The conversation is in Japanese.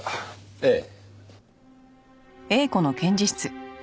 ええ。